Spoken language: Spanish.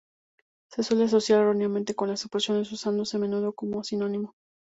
Se suele asociar, erróneamente, con las explosiones, usándose a menudo como sinónimo.